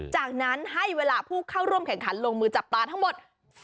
จากนั้นให้เวลาผู้เข้าร่วมแข่งขันลงมือจับปลาทั้งหมด